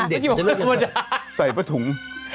เมื่อวันนี้เด็กใส่ประถุง